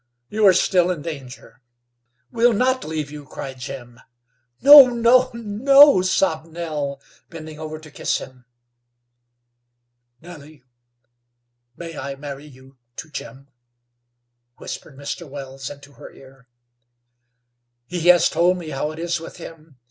"You are still in danger." "We'll not leave you," cried Jim. "No, no, no," sobbed Nell, bending over to kiss him. "Nellie, may I marry you to Jim?" whispered Mr. Wells into her ear. "He has told me how it is with him.